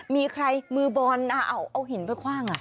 มีใครมือบอลเอาหินไปคว่าง